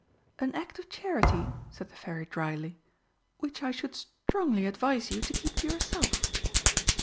"An act of charity," said the Fairy drily, "which I should strongly advise you to keep to yourself."